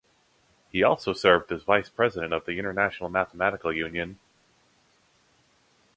He also served as Vice-President of the International Mathematical Union.